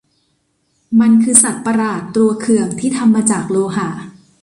มันคือสัตว์ประหลาดตัวเขื่องที่ทำมาจากโลหะ